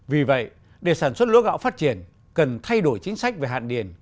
vì vậy để sản xuất lúa gạo phát triển cần thay đổi chính sách về hạn điền